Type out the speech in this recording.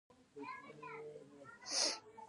د پښتنو په کلتور کې د مظلوم ملاتړ کیږي.